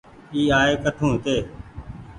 اي آئي ڪٺون هيتي ۔